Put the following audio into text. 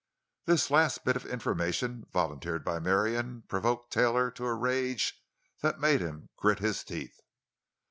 This last bit of information, volunteered by Marion, provoked Taylor to a rage that made him grit his teeth.